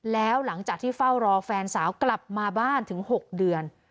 แล้วหลังจากที่เฝ้ารอแฟนสาวกลับมาบ้านถึง๖เดือน